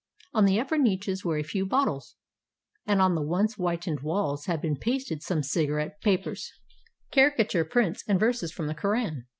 On the upper niches were a few bottles, and on the once whitened walls had been pasted some cigarette papers, caricature prints, and verses from the Koran.